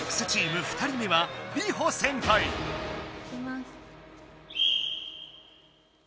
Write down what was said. いきます。